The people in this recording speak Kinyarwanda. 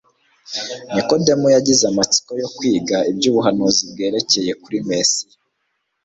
Nikodemo yagize amatsiko yo kwiga iby’ubuhanuzi bwerekeye kuri Mesiya